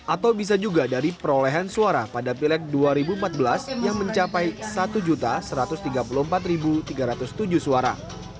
atau bisa juga dari perolehan suara pada pileg dua ribu empat belas yang mencapai satu satu ratus tiga puluh empat tiga ratus tujuh suara